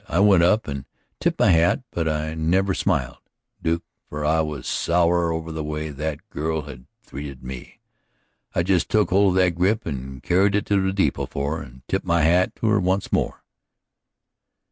I went up and tipped my hat, but I never smiled, Duke, for I was sour over the way that girl she'd treated me. I just took hold of that grip and carried it to the depot for her and tipped my hat to her once more.